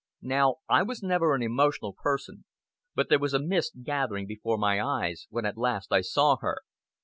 Now I was never an emotional person, but there was a mist gathering before my eyes when at last I saw her.